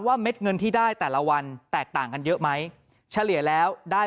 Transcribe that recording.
เม็ดเงินที่ได้แต่ละวันแตกต่างกันเยอะไหมเฉลี่ยแล้วได้